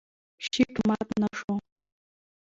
شیټ مات نه شو.